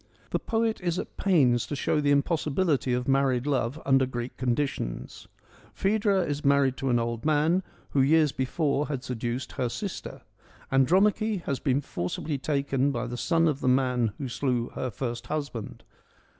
The poet is at pains to show the impossibility of married love under Greek conditions. Phaedra is married to an old man, who years before had seduced her sister. Andromache has been forcibly taken by the son of the man who slew her first husband.